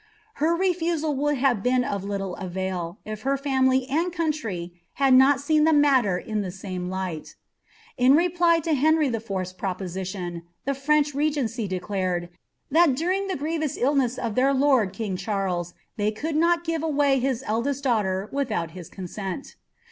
"' Her refusal would have been of ijiile avail, if her family and country had not seen the matter in the same ligiit In reply to Henry IV.'s proposition, the French regency declared •'ihal liming tb« grievous illness of their lord king Churles, they cuuld not give away his eldest daughter without his consent."